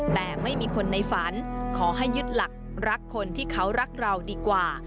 แต่ไม่มีคนในฝันขอให้ยึดหลักรักคนที่เขารักเราดีกว่า